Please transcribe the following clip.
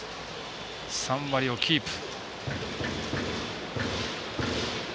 ３割をキープ。